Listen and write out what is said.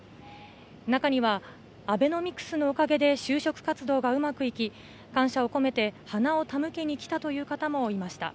中には、アベノミクスのおかげで就職活動がうまくいき、感謝を込めて花を手向けに来たという方もいました。